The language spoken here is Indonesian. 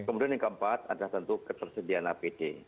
kemudian yang keempat ada tentu ketersediaan